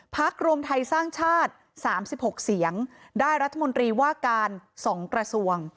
รวมไทยสร้างชาติ๓๖เสียงได้รัฐมนตรีว่าการ๒กระทรวง